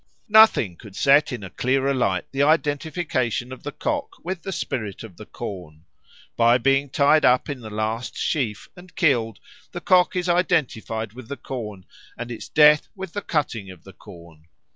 Nothing could set in a clearer light the identification of the cock with the spirit of the corn. By being tied up in the last sheaf and killed, the cock is identified with the corn, and its death with the cutting of the corn.